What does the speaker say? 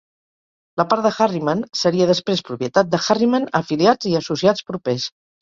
La part de Harriman seria després propietat de Harriman, afiliats i associats propers.